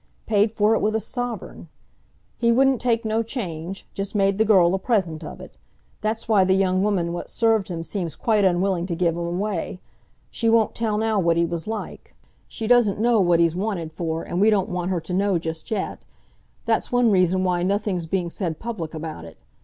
Paid for it with a sovereign! He wouldn't take no change—just made the girl a present of it! That's why the young woman what served him seems quite unwilling to give him away. She won't tell now what he was like. She doesn't know what he's wanted for, and we don't want her to know just yet. That's one reason why nothing's being said public about it.